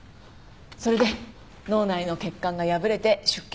それで脳内の血管が破れて出血。